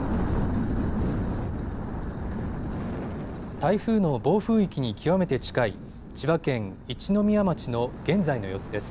台風の暴風域に極めて近い千葉県一宮町の現在の様子です。